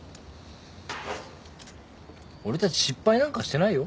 俺たち失敗なんかしてないよ。